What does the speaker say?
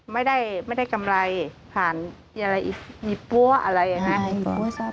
ไม่ได้กำไรผ่านหยิบปั้วอะไรอย่างนี้นะ